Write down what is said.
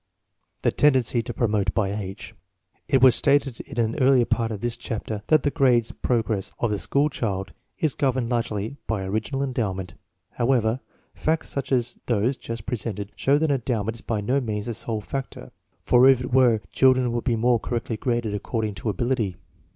The tendency to promote by age. It was stated in an earlier part of this chapter that the grade progress of the school child is governed largely by original endowment. However, facts such as those just pre sented show that endowment is by no means the sole factor; for if it were, children would be more correctly graded according to ability.